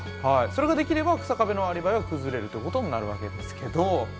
はいそれができれば日下部のアリバイは崩れるということになるわけですけど。